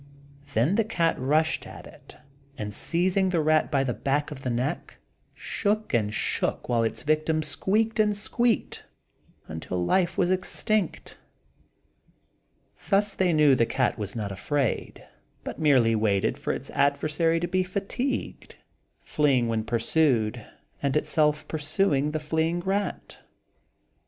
Then the cat rushed at it, and, seizing the rat by the back of the neck, shook and shook while its victim squeaked and squeaked, until life was extinct. Thus they knew the cat was not afraid, but merely waited for its adversary to be fatigued, fleeing when pursued and itself pursuing the fleeing rat.